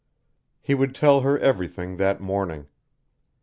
He would tell her everything that morning.